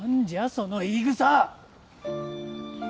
その言い草！